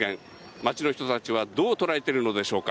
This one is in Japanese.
街の人たちはどう捉えているのでしょうか。